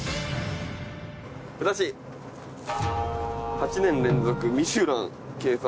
８年連続ミシュラン掲載。